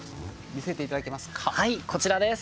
見せていただけますか。